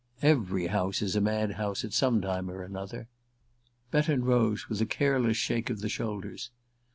"Every house is a mad house at some time or another." Betton rose with a careless shake of the shoulders.